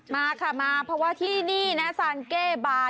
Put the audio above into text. มาค่ะมาเพราะว่าที่นี่นะซานเก้บาร์